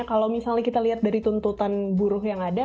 kalau misalnya kita lihat dari tuntutan buruh yang ada